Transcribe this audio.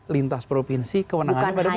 lintas provinsi kewenangan